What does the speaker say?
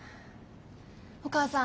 お母さん。